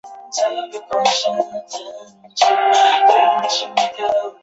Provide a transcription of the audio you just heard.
继承法是民法体系当中关于财产继承的法律规则的总称。